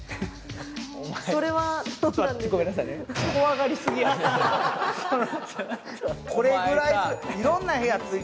それはどうなんでしょう。